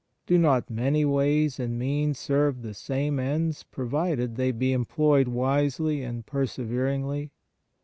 Do not many ways and means serve the same ends provided they be employed wisely and perseveringly